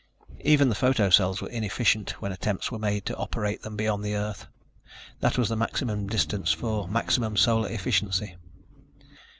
Even the photo cells were inefficient when attempts were made to operate them beyond the Earth; that was the maximum distance for maximum Solar efficiency.